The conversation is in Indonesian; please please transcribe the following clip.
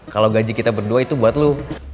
kalau gaji kita berdua itu buat lo